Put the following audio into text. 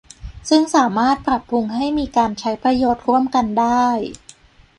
ซึ่งสามารถปรับปรุงให้มีการใช้ประโยชน์ร่วมกันได้